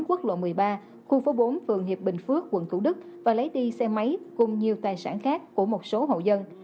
quốc lộ một mươi ba khu phố bốn phường hiệp bình phước quận thủ đức và lấy đi xe máy cùng nhiều tài sản khác của một số hộ dân